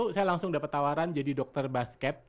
saya langsung dapat tawaran jadi dokter basket